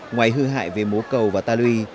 ngoài hư hại về mố cầu và ta lùi